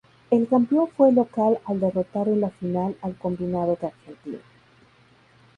El campeón fue el local al derrotar en la final al combinado de Argentina.